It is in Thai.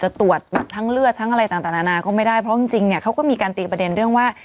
ตรวจแบบทั้งเลือดทั้งอะไรต่างนานาก็ไม่ได้เพราะจริงเนี่ยเขาก็มีการตีประเด็นเรื่องว่า